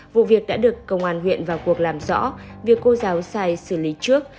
vụ việc đã được công an huyện vào cuộc làm rõ việc cô giáo sai xử lý trước